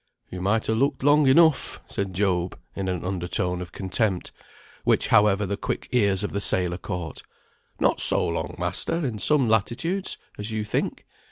"You might ha' looked long enough," said Job, in an under tone of contempt, which, however, the quick ears of the sailor caught. "Not so long, master, in some latitudes, as you think.